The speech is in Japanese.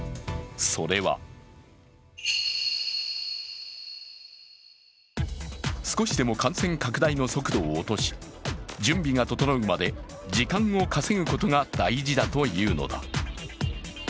それは少しでも感染拡大の速度を落とし、準備が整うまで時間を稼ぐことが大事だというのだ。